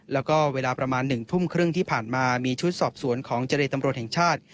แล้วก็เวลาประมาณ๑ทุ่มครึ่งที่ผ่านมามีชุดสอบสวนของเจรตำรวจแห่งชาติ